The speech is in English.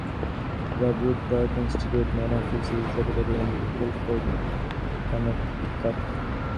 The Rothberg Institute Main Office is located in Guilford, Connecticut.